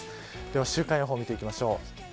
では週間予報を見ていきましょう。